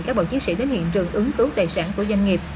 các bộ chiến sĩ đến hiện trường ứng cứu tài sản của doanh nghiệp